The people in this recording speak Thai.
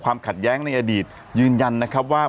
ขัดแย้งในอดีตยืนยันนะครับว่า